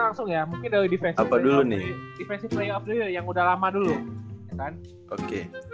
kalau dia mungkin bisa jadi